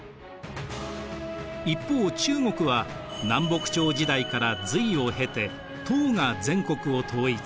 一方中国は南北朝時代から隋を経て唐が全国を統一。